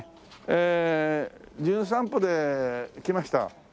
ええ『じゅん散歩』で来ました